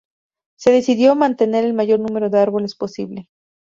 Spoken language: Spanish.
Se decidió mantener el mayor número de árboles posible.